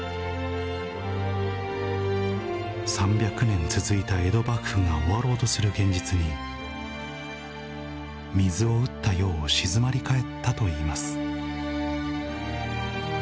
３００年続いた江戸幕府が終わろうとする現実に水を打ったよう静まり返ったといいます